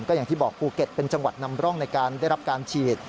อย่างที่บอกภูเก็ตเป็นจังหวัดนำร่องในการได้รับการฉีด